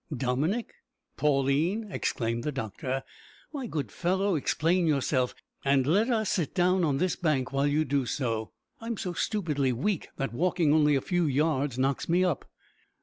"Dominick! Pauline!" exclaimed the doctor. "My good fellow, explain yourself, and let us sit down on this bank while you do so. I'm so stupidly weak that walking only a few yards knocks me up."